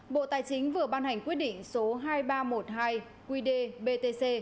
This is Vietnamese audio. bộ tài chính vừa ban hành quyết định số hai nghìn ba trăm một mươi hai qd btc